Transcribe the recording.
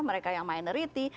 mereka yang minoriti